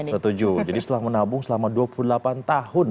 setuju jadi setelah menabung selama dua puluh delapan tahun